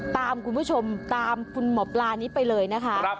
คุณผู้ชมตามคุณหมอปลานี้ไปเลยนะคะ